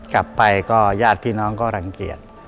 กลับไปก็ญาติพี่น้องก็รังเกียจ